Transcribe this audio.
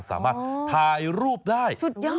สามารถถ่ายรูปได้